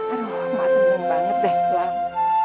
aduh mak senang banget deh